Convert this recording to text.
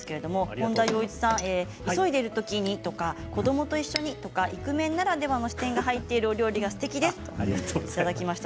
本田よう一さん急いでいるときにとか、子どもと一緒にとかイクメンならではの視点が入っているお料理がすてきですといただきました。